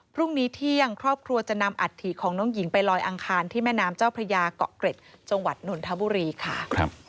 พรุ่งนี้เที่ยงครอบครัวจะนำอัฐิของน้องหญิงไปลอยอังคารที่แม่น้ำเจ้าพระยาเกาะเกร็ดจังหวัดนนทบุรีค่ะ